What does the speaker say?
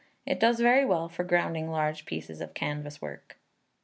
It does very well for grounding large pieces of canvas work.